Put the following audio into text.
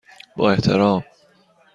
با احترام،